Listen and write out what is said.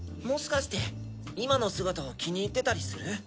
もしかして今の姿を気に入ってたりする？